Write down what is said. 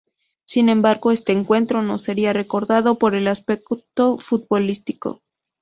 Sin embargo, este encuentro no sería recordado por el aspecto futbolístico.